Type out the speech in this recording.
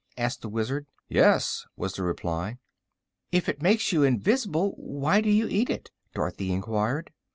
asked the Wizard. "Yes," was the reply. "If it makes you invis'ble, why do you eat it?" Dorothy enquired.